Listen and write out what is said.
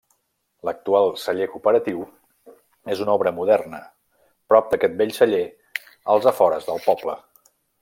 L'actual celler cooperatiu és una obra moderna, prop d'aquest vell celler, als afores del poble.